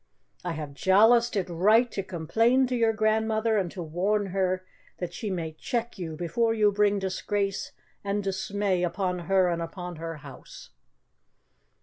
I have jaloused it right to complain to your grandmother and to warn her, that she may check you before you bring disgrace and dismay upon her and upon her house."